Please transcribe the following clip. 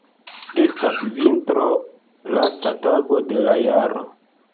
Estas vintro, lasta tago de la jaro.